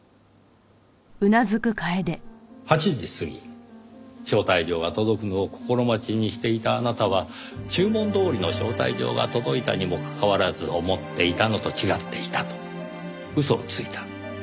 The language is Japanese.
８時過ぎ招待状が届くのを心待ちにしていたあなたは注文どおりの招待状が届いたにもかかわらず思っていたのと違っていたと嘘をついた。